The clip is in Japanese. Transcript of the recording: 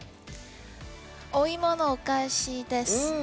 お芋のお菓子です。